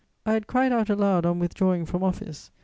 I had cried out aloud on withdrawing from office; M.